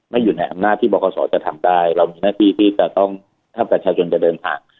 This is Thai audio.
ไม่อยู่ในอำนาจที่บริการจะทำได้เรามีหน้าที่ถ้าประชาชนจะเดินทาง